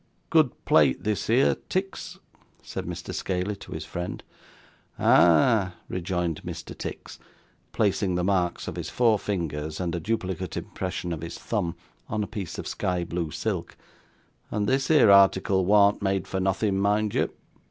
'Good plate this here, Tix,' said Mr. Scaley to his friend. 'Ah!' rejoined Mr. Tix, placing the marks of his four fingers, and a duplicate impression of his thumb, on a piece of sky blue silk; 'and this here article warn't made for nothing, mind you.